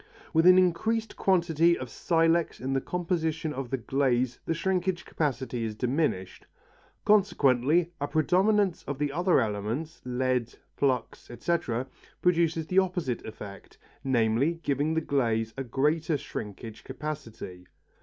With an increased quantity of silex in the composition of the glaze the shrinkage capacity is diminished. Consequently a predominance of the other elements, lead, flux, etc., produces the opposite effect, namely, giving the glaze a greater shrinkage capacity.